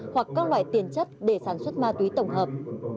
hoặc các loại tiền chất để sản xuất ma túy tổng hợp